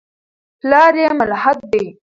پلار یې ملحد دی.